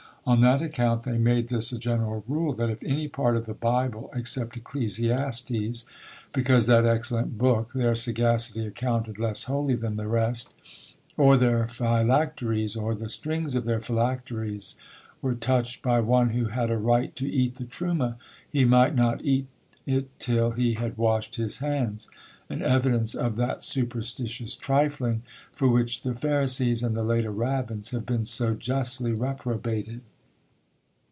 On that account they made this a general rule, that if any part of the Bible (except Ecclesiastes, because that excellent book their sagacity accounted less holy than the rest) or their phylacteries, or the strings of their phylacteries, were touched by one who had a right to eat the truma, he might not eat it till he had washed his hands. An evidence of that superstitious trifling, for which the Pharisees and the later Rabbins have been so justly reprobated.